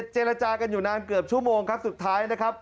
เจรจากันอยู่นานเกือบชั่วโมงครับสุดท้ายนะครับ